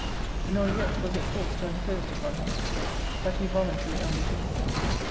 Nor yet was it forced or imposed upon Him, but He voluntarily undertook it.